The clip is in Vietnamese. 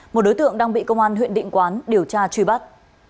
một đối tượng đang bị công an huyện định quán điều tra truy bắt